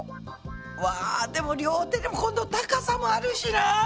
わでも両手でもこの高さもあるしな。